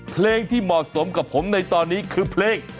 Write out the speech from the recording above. เพลงที่เหมาะสมกับผมในตอนนี้คือเพลง